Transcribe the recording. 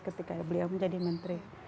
ketika beliau menjadi menteri